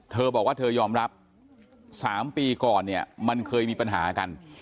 เธอบอกว่าเธอยอมรับ๓ปีก่อนเนี่ยมันเคยมีปัญหากัน